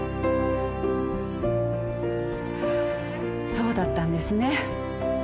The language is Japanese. そうだったんですね。